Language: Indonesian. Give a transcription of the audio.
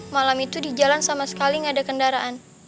malam itu di jalan sama sekali nggak ada kendaraan